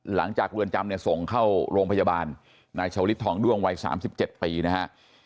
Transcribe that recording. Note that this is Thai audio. หลังจากเวือนจำเนี่ยส่งเข้าโรงพยาบาลนายเฉาฤทธิ์ทองด้วงวัยสามสิบเจ็ดปีนะฮะ